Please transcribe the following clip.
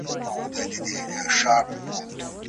د کوټې هر کونج د یوې نوې کیسې نښه وه.